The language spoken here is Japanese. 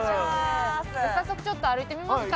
早速ちょっと歩いてみますか。